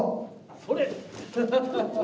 それ。